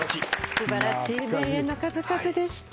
素晴らしい名演の数々でした。